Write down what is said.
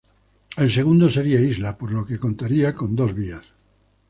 El segundo sería isla, por lo que contaría con dos vías.